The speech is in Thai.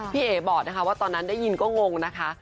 พี่เอ๋บอกนะคะว่าตอนนั้นได้ยินก็งงนะคะ